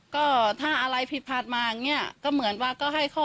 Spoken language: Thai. ก็ถ้าอะไรผิดพลาดมาอย่างนี้ก็เหมือนว่าก็ให้ข้อ